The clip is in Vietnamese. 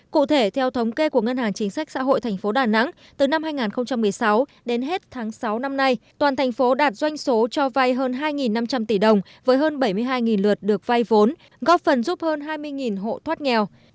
cụ thể theo thống kê của ngân hàng chính sách xã hội tp đà nẵng từ năm hai nghìn một mươi sáu đến hết tháng sáu năm nay toàn thành phố đạt doanh số cho vay hơn hai năm trăm linh tỷ đồng với hơn bảy mươi hai lượt được vay vốn góp phần giúp hơn hai mươi hộ thoát nghèo